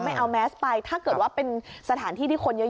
ไม่เอาแมสไปถ้าเกิดว่าเป็นสถานที่ที่คนเยอะ